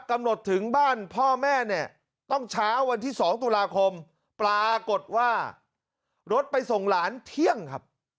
ถึงบ้านพ่อแม่เนี่ยต้องเช้าวันที่๒ตุลาคมปรากฏว่ารถไปส่งหลานเที่ยงครับ